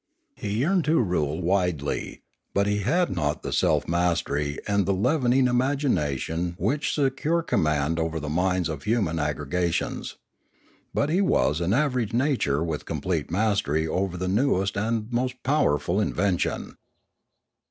He yearned to rule widely. But he had not the self mastery and the leavening imagination which secure command over the minds of human aggrega tions. He was but an average nature with complete mastery over the newest and most masterful in vention.